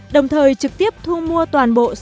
đồng thời trực tiếp thu mua toàn bộ